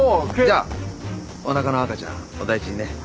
じゃあおなかの赤ちゃんお大事にね。